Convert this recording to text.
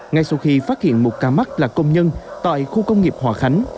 ngay sau khi phát hiện một ca mắc là công nhân tại khu công nghiệp hòa khánh